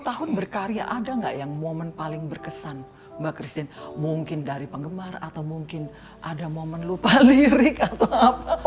dua puluh tahun berkarya ada nggak yang momen paling berkesan mbak christine mungkin dari penggemar atau mungkin ada momen lupa lirik atau apa